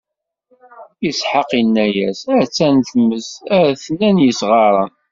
Isḥaq inna-yas: A-tt-an tmes, a-ten-an yesɣaren.